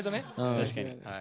確かに。